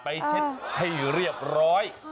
เช็ดให้เรียบร้อย